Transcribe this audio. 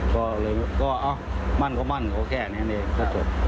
ก็มั่นก็มั่นแค่นี้จะจบ